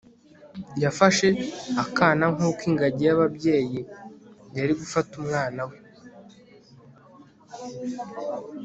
yafashe akana nkuko ingagi yababyeyi yari gufata umwana we